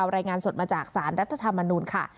รายงานสดมาจากสารรัฐธรรมนูลค่ะ